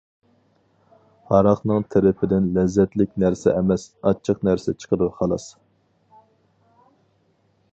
ھاراقنىڭ تىرىپىدىن لەززەتلىك نەرسە ئەمەس، ئاچچىق نەرسە چىقىدۇ، خالاس!